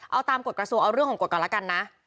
เอาตามกฎกระทรวงเอาเรื่องของกฎก่อนแล้วกันนะ